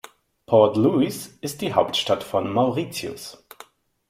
Port Louis ist die Hauptstadt von Mauritius.